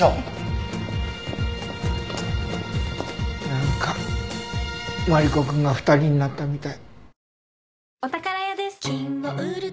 なんかマリコくんが２人になったみたい。